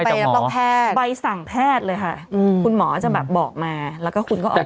ก็คือใบสั่งแพทย์เลยค่ะคุณหมอจะแบบบอกมาแล้วก็คุณก็ออกไปสั่ง